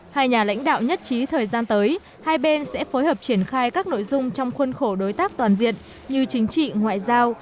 hai nhà lãnh đạo nhất trí thời gian tới hai bên sẽ phối hợp triển khai các nội dung trong khuôn khổ đối tác toàn diện như chính trị ngoại giao